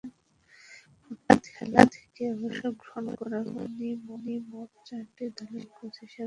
Football খেলা থেকে অবসর গ্রহণ করার পর তিনি মোট চারটি দলের কোচ হিসেবে দায়িত্ব পালন করেন।